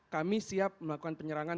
kami siap melakukan penyerangan